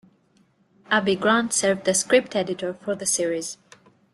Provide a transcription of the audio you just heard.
Abi Grant served as script editor for the series.